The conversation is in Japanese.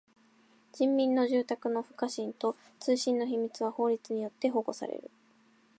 人民の住宅の不可侵と通信の秘密は法律によって保護される。